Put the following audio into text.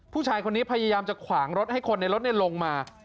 ผู้ชายคนนี้พยายามจะขวางรถให้คนในรถลงมา